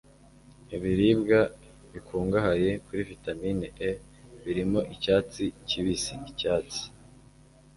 Ibiribwa bikungahaye kuri vitamine E birimo icyatsi kibisi-icyatsi